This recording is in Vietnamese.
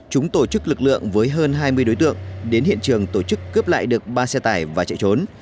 chúng tổ chức lực lượng với hơn hai mươi đối tượng đến hiện trường tổ chức cướp lại được ba xe tải và chạy trốn